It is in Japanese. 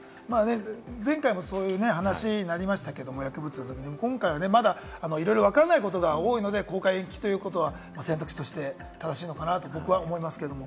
前回もそういう話になりましたけれど、薬物でもね、今回はまだいろいろわからないことが多いので、公開延期ということは選択肢として正しいのかなと僕は思いますが。